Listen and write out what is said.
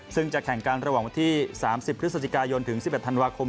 ซึ่งจะแข่งกันระหว่างวันที่๓๐พฤศจิกายนถึง๑๑ธันวาคม